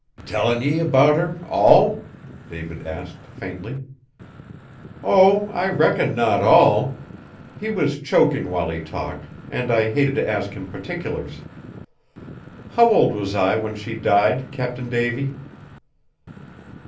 "Tellin' ye about her, all?" David asked faintly. "Oh! I reckon not all; he was choking while he talked, and I hated to ask him particulars. How old was I when she died, Cap'n Davy?"